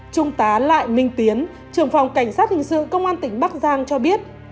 trung tá lại minh tiến trưởng phòng cảnh sát hình sự công an tỉnh bắc giang cho biết